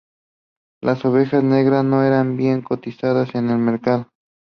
Las ovejas negras no eran bien cotizadas en el mercado.